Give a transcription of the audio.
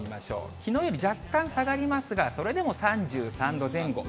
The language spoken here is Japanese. きのうより若干下がりますが、それでも３３度前後。